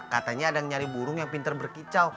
katanya ada yang nyari burung yang pintar berkicau